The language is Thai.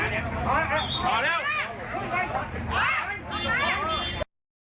อะไรก็นั่งกันหนาเนี่ย